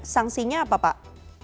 sanksinya apa pak